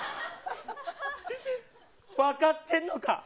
分かってんのか。